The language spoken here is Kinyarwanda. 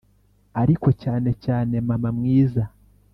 ariko cyane cyane, mama mwiza,